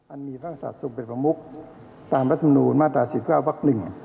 อันมีภาษาสูงเป็นประมุกตามรัฐธรรมนูญมาตรา๑๙วัก๑